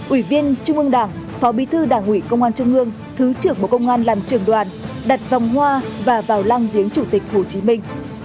ủy viên trung ương đảng phó bí thư đảng ủy công an trung ương thứ trưởng bộ công an làm trường đoàn đặt vòng hoa và vào lăng viếng chủ tịch hồ chí minh